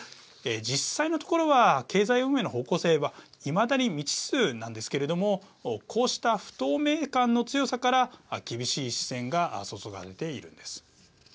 実際のところは経済運営の方向性はいまだに未知数なんですけれどもこうした不透明感の強さから厳しい視線が注がれているんです。